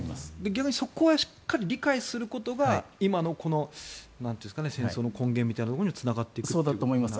逆にそこをしっかり理解することが今の戦争の根源みたいなところにそうだと思います。